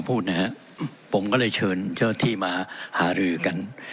จริงจริงที่หมอพูดนะฮะผมก็เลยเชิญเจ้าทิมาหาลือกัน